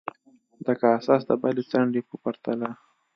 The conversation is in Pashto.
د کاساس د بلې څنډې په پرتله.